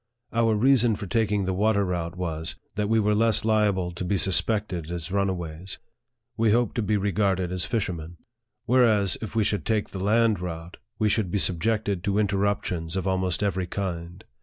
Our reason for taking the water route was, that we were less liable to be suspected as runaways ; we hoped to be re garded as fishermen ; whereas, if we should take the land route, we should be subjected to interruptions of almost every kind.